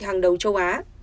hàng đầu châu á